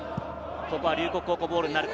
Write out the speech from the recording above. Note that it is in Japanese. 龍谷高校ボールになるか。